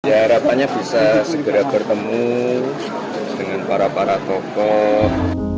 ya harapannya bisa segera bertemu dengan para para tokoh